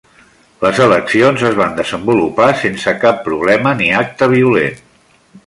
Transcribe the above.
Les eleccions es van desenvolupar sense cap problema ni acte violent.